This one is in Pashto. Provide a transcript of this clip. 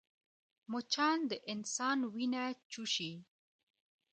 مچان د انسان وینه چوشي